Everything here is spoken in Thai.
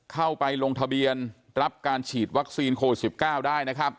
เข้าไปลงทะเบียนรับการฉีดวัคซีนโควิด๑๙ได้นะครับ